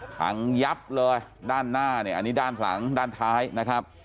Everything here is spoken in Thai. พังยับเลยด้านหน้าเนี่ยอันนี้ด้านหลังด้านท้ายนะครับ